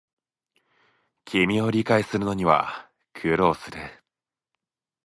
君を理解するのには苦労する